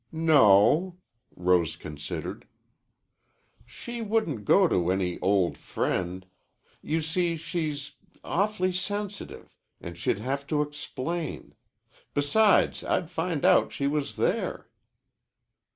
"No." Rose considered. "She wouldn't go to any old friend. You see she's awf'ly sensitive. And she'd have to explain. Besides, I'd find out she was there."